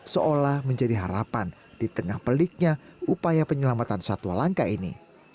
seolah menjadi harapan di tengah peliknya upaya penyelamatan satwa langka ini